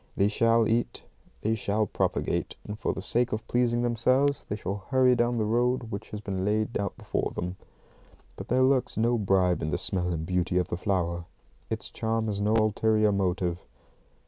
They shall eat, they shall propagate, and for the sake of pleasing themselves they shall hurry down the road which has been laid out for them. But there lurks no bribe in the smell and beauty of the flower. It's charm has no ulterior motive.